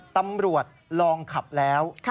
ตำรวจลองขับแล้ว